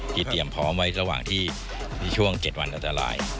เตรียมพร้อมไว้ระหว่างที่ในช่วง๗วันอันตราย